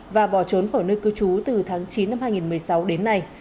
và bỏ trốn khỏi nơi cư trú từ tháng chín năm hai nghìn một mươi sáu đến nay